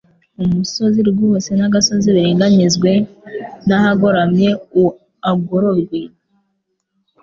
umusozi wose n'agasozi biringanizwe n'ahagoramye uagororwe,